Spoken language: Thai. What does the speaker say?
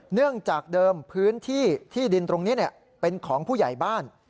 เนื่องจากเดิมพื้นที่ที่ดินตรงนี้เป็นของผู้ใหญ่บ้าน